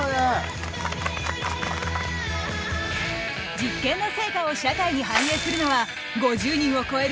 実験の成果を社会に反映するのは５０人を超える